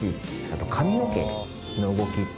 あと、髪の毛の動き。